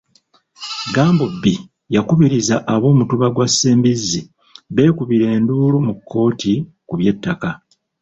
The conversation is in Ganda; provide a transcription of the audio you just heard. Gambobbi yakubirizza ab'omutuba gwa Ssembizzi beekubire enduulu mu kkooti ku by'ettaka.